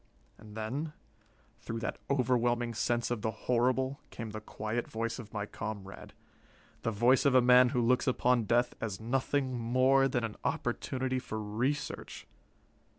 And then, through that overwhelming sense of the horrible, came the quiet voice of my comrade the voice of a man who looks upon death as nothing more than an opportunity for research.